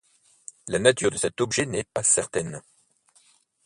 La nature de cet objet n’est pas certaine.